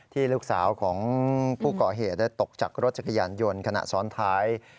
ที่ลูกสาวของผู้ก่อเหตุได้ตกจากรถจักรยานยนต์ขณะซ้อนท้าย